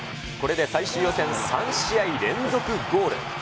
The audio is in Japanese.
これで最終予選３試合連続ゴール。